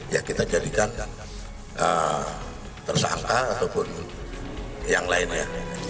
ya kita jadikan tersangka ataupun yang lainnya